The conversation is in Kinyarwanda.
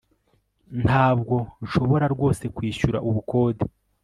Ntabwo nshobora rwose kwishyura ubukode